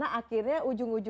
sakit hati begitu